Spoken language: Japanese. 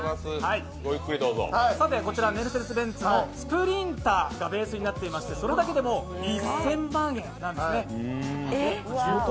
こちら、メルセデス・ベンツのスプリンターがベースになってましてそれだけでもう１０００万円なんですね。